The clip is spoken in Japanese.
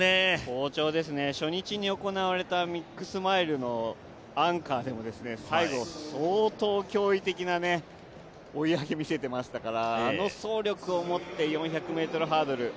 好調ですね初日に行われたミックスマイルのアンカーでも最後、相当驚異的な追い上げを見せていましたからあの走力を持って４００ｍハードル。